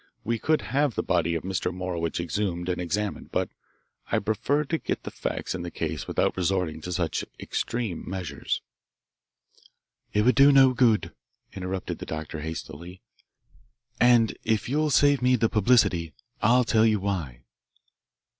We could have the body of Mr. Morowitch exhumed and examined, but I prefer to get the facts in the case without resorting to such extreme measures." "It would do no good," interrupted the doctor hastily. "And if you'll save me the publicity, I'll tell you why."